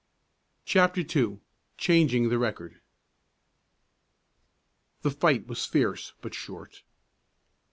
CHAPTER II. CHANGING THE RECORD. The fight was fierce but short.